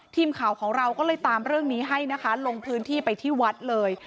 ทีมข่าวของเราก็เลยตามเรื่องนี้ให้นะคะลงพื้นที่ไปที่วัดเลย